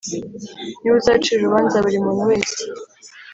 ni we uzacira urubanza buri muntu wese